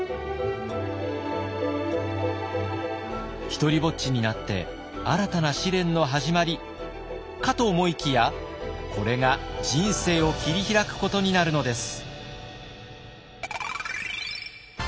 独りぼっちになって新たな試練の始まりかと思いきやこれが人生を切り開くことになるのです。